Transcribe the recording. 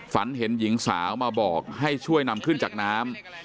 ฝันเห็นหญิงสาวมาบอกให้ช่วยนำขึ้นจากน้ำ